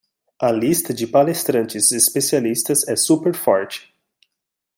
A lista de palestrantes especialistas é super forte